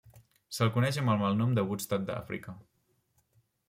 Se'l coneix amb el malnom del Woodstock d'Àfrica.